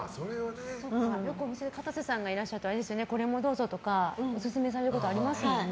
お店でかたせさんがいらっしゃるとこれもどうぞとかオススメされることありますよね。